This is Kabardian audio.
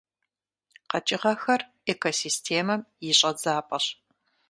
КъэкӀыгъэхэр экосистемэм и щӀэдзапӀэщ.